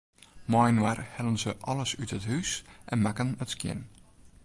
Mei-inoar hellen se alles út it hús en makken it skjin.